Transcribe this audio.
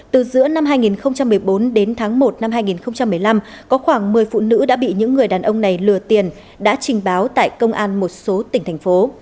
từ giữa năm hai nghìn một mươi bốn đến tháng một năm hai nghìn một mươi năm có khoảng một mươi phụ nữ đã bị những người đàn ông này lừa tiền đã trình báo tại công an một số tỉnh thành phố